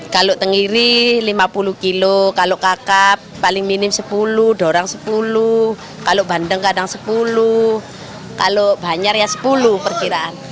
kalau tenggiri rp lima puluh kalau kakap paling minim rp sepuluh dorang rp sepuluh kalau bandeng kadang rp sepuluh kalau banyar ya rp sepuluh perkiraan